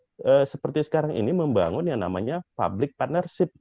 nah pemerintah juga berpikir seperti sekarang ini membangun yang namanya public patent